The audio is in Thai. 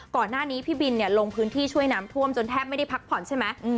ก่อนหน้านี้พี่บินลงพื้นที่ช่วยน้ำท่วมจนแทบไม่ได้พักผ่อนใช่ไหม